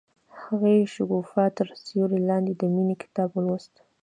هغې د شګوفه تر سیوري لاندې د مینې کتاب ولوست.